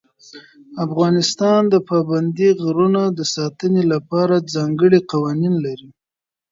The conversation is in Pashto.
افغانستان د پابندي غرونو د ساتنې لپاره ځانګړي قوانین لري.